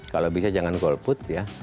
kalau bisa jangan golput ya